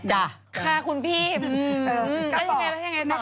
ค่ะคุณพี่แล้วยังไงต่อ